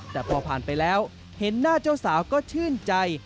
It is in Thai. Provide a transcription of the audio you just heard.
แต่พอผ่านไปแล้วเห็นหน้าเจ้าสาวก็ชื่นใจ